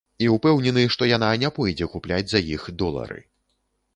І ўпэўнены, што яна не пойдзе купляць за іх долары.